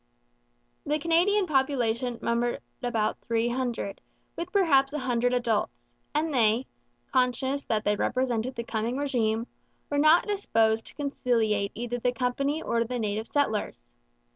The Canadian population numbered about three hundred, with perhaps a hundred adults, and they, conscious that they represented the coming régime, were not disposed to conciliate either the company or the native settlers.